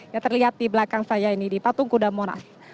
yang terlihat di belakang saya ini di patung kuda monas